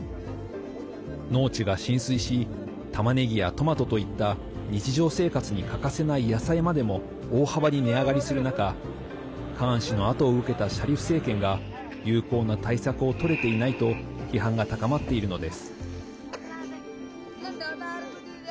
農地が浸水したまねぎやトマトといった日常生活に欠かせない野菜までも大幅に値上がりする中カーン氏のあとを受けたシャリフ政権が有効な対策をとれていないと批判が高まっているのです。